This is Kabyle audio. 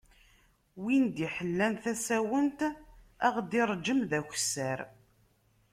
Win d-iḥellan tasawent ad ɣ-d-ireǧǧem d akessar.